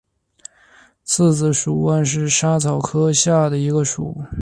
刺子莞属是莎草科下的一个属。